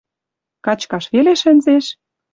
Качкаш веле шӹнзеш —